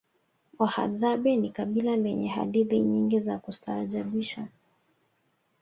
wahadzabe ni kabila lenye hadithi nyingi za kustaajabisha